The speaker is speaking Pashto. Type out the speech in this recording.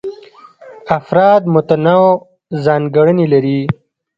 افراد متنوع ځانګړنې لري.